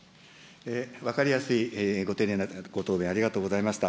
分かりやすいご丁寧な答弁、ありがとうございました。